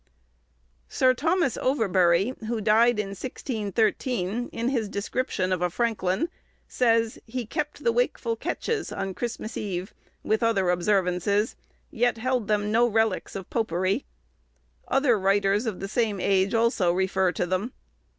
Sir Thomas Overbury, who died in 1613, in his description of a Franklin, says, he kept the "wakefull ketches" on Christmas Eve, with other observances, yet held them no relics of popery; other writers of the same age also refer to them.